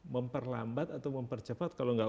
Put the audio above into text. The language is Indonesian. memperlambat atau mempercepat kalau nggak